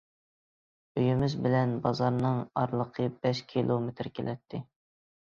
ئۆيىمىز بىلەن بازارنىڭ ئارىلىقى بەش كىلومېتىر كېلەتتى.